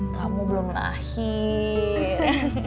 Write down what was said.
kamu belum lahir